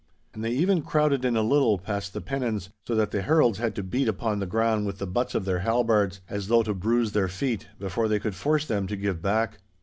And they even crowded in a little past the pennons, so that the heralds had to beat upon the ground with the butts of their halbards, as though to bruise their feet, before they could force them to give back.